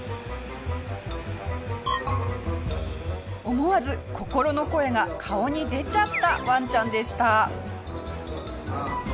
思わず心の声が顔に出ちゃったワンちゃんでした。